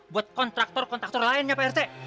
buat kontraktor kontraktor lainnya pak rt